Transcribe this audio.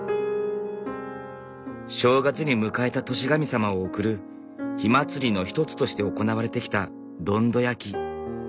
正月に迎えた年神様を送る火祭りの一つとして行われてきたどんど焼き。